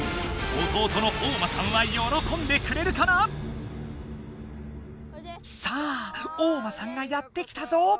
弟のおうまさんはよろこんでくれるかな⁉さあおうまさんがやって来たぞ。